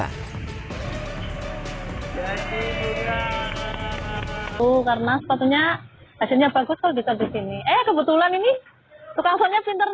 ibu karena sepatunya hasilnya bagus kalau kita di sini eh kebetulan ini tukang solnya pinter